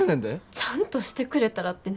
ちゃんとしてくれたらって何？